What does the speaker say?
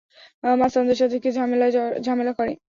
মাস্তানদের সাথে কে জামেলা করে?